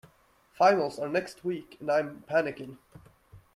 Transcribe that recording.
Finals are next week and I'm panicking.